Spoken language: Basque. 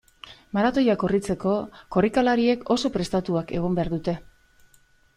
Maratoia korritzeko, korrikalariek oso prestatuak egon behar dute.